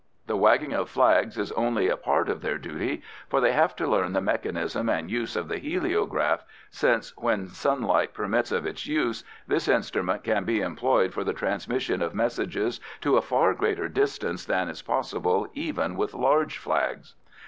The wagging of flags is only a part of their duty, for they have to learn the mechanism and use of the heliograph, since, when sunlight permits of its use, this instrument can be employed for the transmission of messages to a far greater distance than is possible even with large flags.